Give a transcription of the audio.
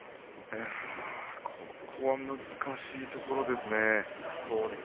ここは難しいところですよね。